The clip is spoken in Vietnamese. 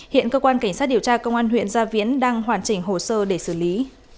hiện cơ quan cảnh sát điều tra công an huyện gia viễn đang hoàn chỉnh hồ sơ để xử lý